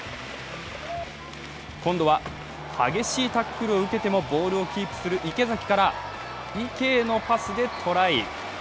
今度は激しいタックルを受けてもボールをキープする池崎から池へのパスでトライ。